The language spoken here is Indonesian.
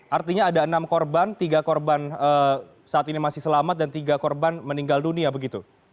artinya ada enam korban tiga korban saat ini masih selamat dan tiga korban meninggal dunia begitu